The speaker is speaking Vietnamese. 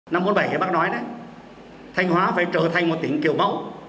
năm bốn mươi bảy bác nói đấy thanh hóa phải trở thành một tỉnh kiểu mẫu